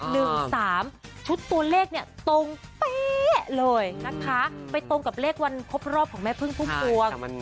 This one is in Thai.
แล้วจับเลขวันครบประรอบของแม่พึ่งพูดปวง